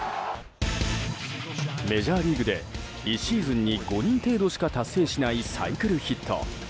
メジャーリーグで１シーズンに５人程度しか達成しないサイクルヒット。